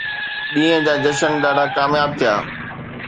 ڏينهن جا جشن ڏاڍا ڪامياب ٿيا.